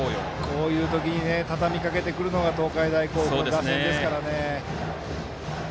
こういう時にたたみかけてくるのが東海大甲府の打線ですからね。